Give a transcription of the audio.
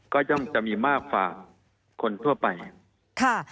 ก็ย่อมจะมีมากฝากคนทั่วไป